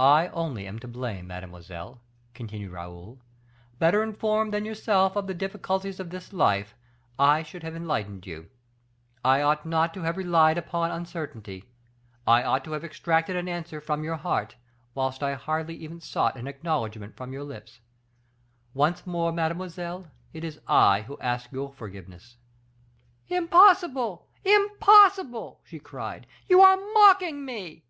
"I only am to blame, mademoiselle," continued Raoul, "better informed than yourself of the difficulties of this life, I should have enlightened you. I ought not to have relied upon uncertainty; I ought to have extracted an answer from your heart, whilst I hardly even sought an acknowledgement from your lips. Once more, mademoiselle, it is I who ask your forgiveness." "Impossible, impossible!" she cried, "you are mocking me."